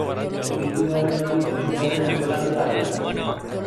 Oroitu behar da herri kontsultaren antolaketa gaitza.